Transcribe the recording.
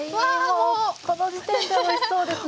もうこの時点でおいしそうですね！